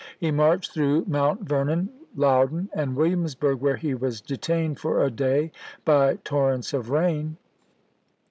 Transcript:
He marched through Mount Vernon, Loudon, and Williamsburg, where he was detained for a day by torrents of rain.